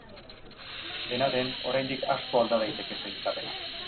Dena den, oraindik asko alda daiteke sailkapena.